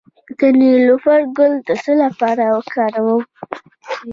د نیلوفر ګل د څه لپاره وکاروم؟